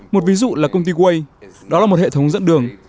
một ví dụ là công ty way đó là một hệ thống dẫn đường